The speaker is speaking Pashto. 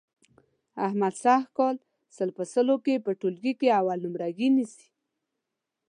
احمد سږ کال سل په سلو کې په ټولګي کې اول نمرګي نیسي.